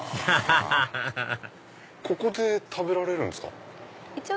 ハハハハここで食べられるんですか？